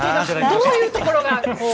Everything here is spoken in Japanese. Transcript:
どういうところが？